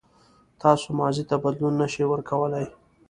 تاسو ماضي ته بدلون نه شئ ورکولای.